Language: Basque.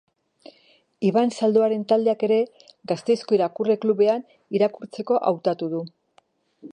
Iban Zalduaren taldeak ere, Gasteizko Irakurle Klubean, irakurtzeko hautatu du.